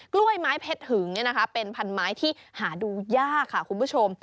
กล้วยไม้เพชรหึงเป็นพันไม้ที่หาดูยากค่ะคุณผู้ชม